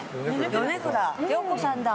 米倉涼子さんだ。